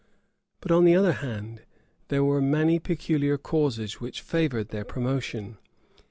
But, on the other hand, there were many peculiar causes which favored their promotion.